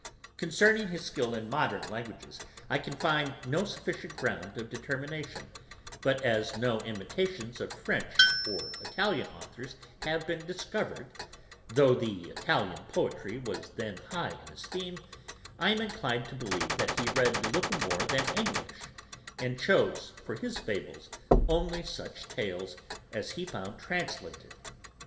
Concerning his skill in modern languages, I can find no sufficient ground of determination; but as no imitations of French or Italian authours have been discovered, though the Italian poetry was then high in esteem, I am inclined to believe, that he read little more than English, and chose for his fables only such tales as he found translated.